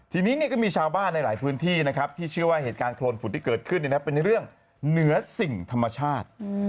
ทีนี้ก็มีชาวบ้านในหลายพื้นที่นะครับที่เชื่อว่าเหตุการณ์โครนผุดที่เกิดขึ้นเป็นเรื่องเหนือสิ่งธรรมชาติ